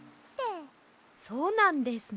そうなんですね。